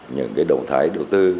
những cái động thái đầu tư